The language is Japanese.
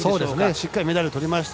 しっかりメダル取りました。